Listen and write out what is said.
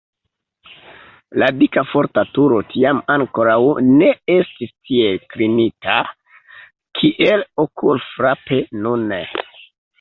La dika forta turo tiam ankoraŭ ne estis tiel klinita, kiel okulfrape nune.